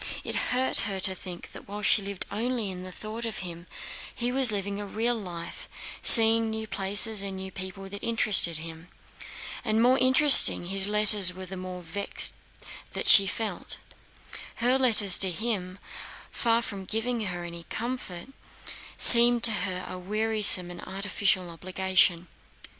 It hurt her to think that while she lived only in the thought of him, he was living a real life, seeing new places and new people that interested him. The more interesting his letters were the more vexed she felt. Her letters to him, far from giving her any comfort, seemed to her a wearisome and artificial obligation.